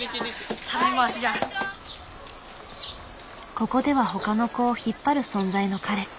ここでは他の子を引っ張る存在の彼。